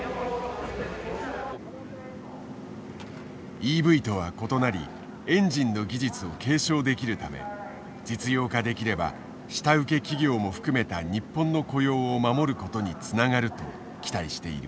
ＥＶとは異なりエンジンの技術を継承できるため実用化できれば下請け企業も含めた日本の雇用を守ることにつながると期待している。